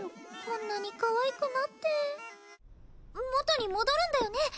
こんなにかわいくなって元に戻るんだよね？